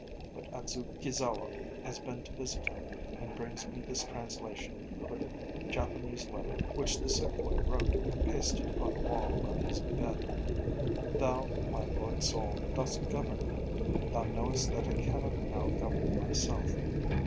But Adzukizawa has been to visit him, and brings me this translation of a Japanese letter which the sick boy wrote and pasted upon the wall above his bed: 'Thou, my Lord Soul, dost govern me. Thou knowest that I cannot now govern myself.